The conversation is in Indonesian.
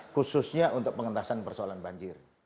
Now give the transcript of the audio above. khususnya untuk pengentasan persoalan banjir